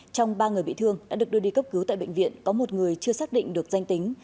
trong ba người bị thương đã được đưa đi cấp cứu tại bệnh viện có một người chưa xác định được danh tính